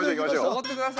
おごって下さい。